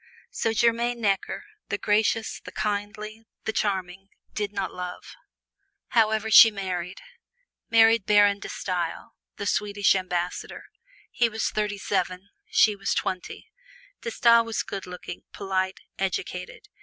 So Germaine Necker, the gracious, the kindly, the charming, did not love. However, she married married Baron De Stael, the Swedish Ambassador. He was thirty seven, she was twenty. De Stael was good looking, polite, educated.